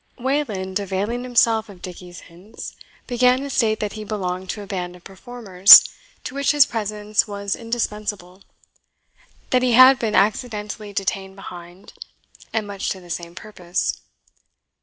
Wayland, availing himself of Dickie's hints, began to state that he belonged to a band of performers to which his presence was indispensable, that he had been accidentally detained behind, and much to the same purpose.